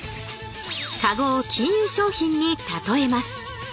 カゴを金融商品に例えます。